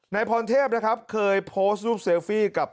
นายพรเทพนะครับเคยโพสต์รูปเซลฟี่กับ